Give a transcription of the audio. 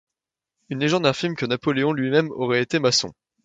Une légende affirme que Napoléon lui-même aurait été maçon.